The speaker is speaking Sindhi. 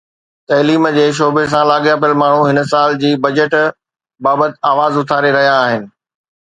تعليم جي شعبي سان لاڳاپيل ماڻهو هن سال جي بجيٽ بابت آواز اٿاري رهيا آهن